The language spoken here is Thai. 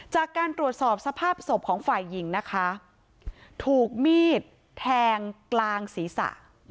จากการตรวจสอบสภาพศพของฝ่ายหญิงนะคะถูกมีดแทงกลางศีรษะ